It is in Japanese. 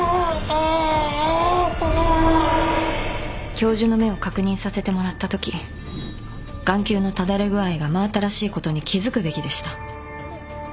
教授の目を確認させてもらったとき眼球のただれ具合が真新しいことに気付くべきでした。